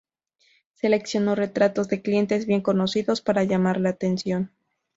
Seleccionó retratos de clientes bien conocidos para llamar la atención.